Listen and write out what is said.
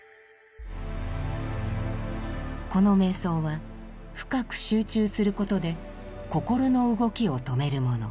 この瞑想は深く集中することで心の動きを止めるもの。